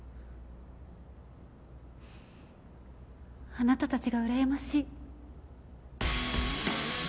あなたたちがうらやましい。